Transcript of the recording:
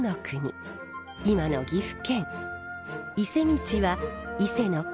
今の岐阜県いせみちは伊勢の国